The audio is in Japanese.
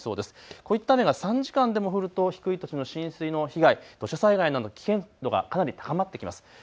こういった雨が３時間でも降ると低い土地の浸水の被害、土砂災害などの危険がかなり高まってきます。